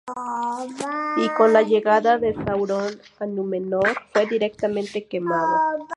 Y con la llegada de Sauron a Númenor fue directamente quemado.